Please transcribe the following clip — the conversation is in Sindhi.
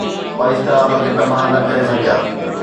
فرشتا ان کي تباهه نه ڪري سگهيا